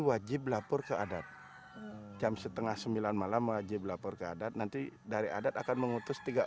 wajib lapor ke adat jam setengah sembilan malam wajib lapor ke adat nanti dari adat akan mengutus tiga